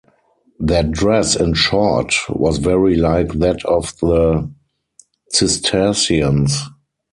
Their dress in short was very like that of the Cistercians.